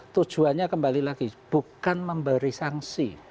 tujuannya kembali lagi bukan memberi sanksi